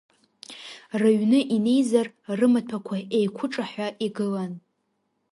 Рыҩны инеизар, рымаҭәақәа еиқәыҿаҳәа игылан.